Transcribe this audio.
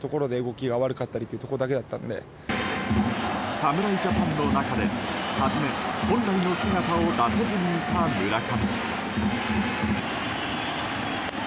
侍ジャパンの中で初め本来の姿を出せずにいた村上。